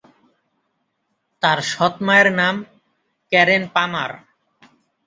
তার সৎ মায়ের নাম ক্যারেন পামার।